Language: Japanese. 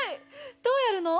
どうやるの？